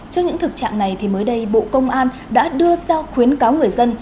trước những thực trạng này mới đây bộ công an đã đưa ra khuyến cáo người dân